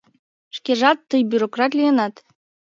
Шкежат тый бюрократ лийынат...